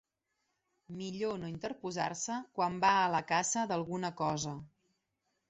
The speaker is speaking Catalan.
Millor no interposar-se quan va a la caça d'alguna cosa.